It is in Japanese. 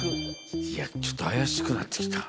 いやちょっと怪しくなってきた。